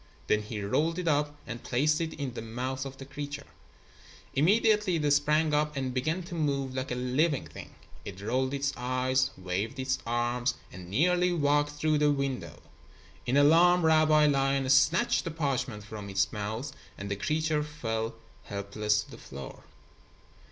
Then he rolled it up and placed it in the mouth of the creature. Immediately it sprang up and began to move like a living thing. It rolled its eyes, waved its arms, and nearly walked through the window. In alarm, Rabbi Lion snatched the parchment from its mouth and the creature fell helpless to the floor.